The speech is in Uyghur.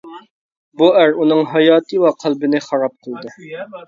بۇ ئەر ئۇنىڭ ھاياتى ۋە قەلبىنى خاراب قىلدى.